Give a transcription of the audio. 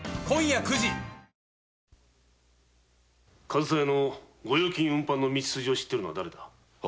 上総屋の御用金運搬の道筋を知っているのはだれだ？